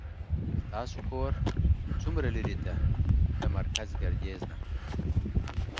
ستاسو کور څومره لری ده له مرکز ګردیز نه